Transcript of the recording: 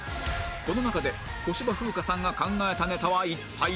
この中で小芝風花さんが考えたネタは一体どれなのか？